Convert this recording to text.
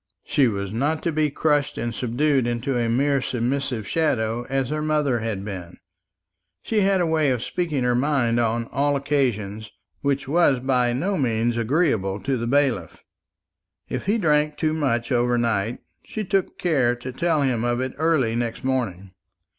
She was not to be crushed and subdued into a mere submissive shadow, as her mother had been. She had a way of speaking her mind on all occasions which was by no means agreeable to the bailiff. If he drank too much overnight, she took care to tell him of it early next morning.